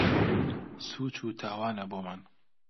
سووچ و تاوانە بۆمان